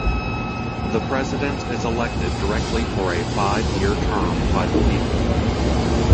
The president is elected directly for a five-year term by the people.